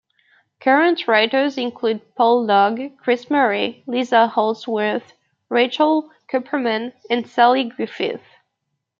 Current writers include Paul Logue, Chris Murray, Lisa Holdsworth, Rachel Cuperman and Sally Griffiths.